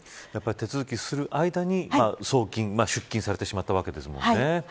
手続きをする間に送金出金されてしまったわけですね。